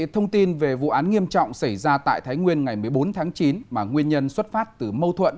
thông tin về vụ án nghiêm trọng xảy ra tại thái nguyên ngày một mươi bốn tháng chín mà nguyên nhân xuất phát từ mâu thuẫn